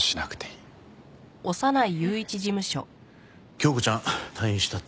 響子ちゃん退院したって？